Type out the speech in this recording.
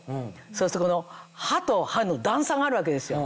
そうするとこの歯と歯の段差があるわけですよ。